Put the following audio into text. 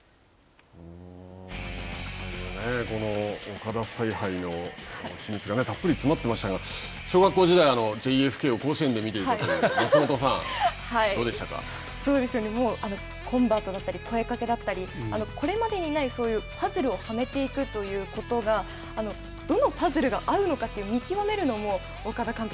岡田采配の秘密がたっぷりと詰まっていましたが、小学校時代、ＪＦＫを甲子園で見ていたという松本さん、どうでしコンバートだったり、代え方だったり、声かけだったり、これまでにないパズルをはめていくということがどのパズルが合うのかというのを見極めるのも、岡田監督